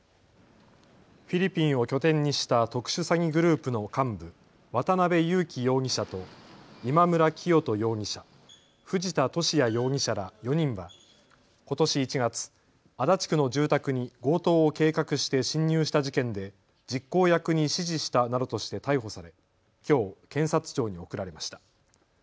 フィリピンを拠点にした特殊詐欺グループの幹部、渡邉優樹容疑者と今村磨人容疑者、藤田聖也容疑者ら４人はことし１月、足立区の住宅に強盗を計画して侵入した事件で実行役に指示したなどとして逮捕されきょう検察庁に送られました。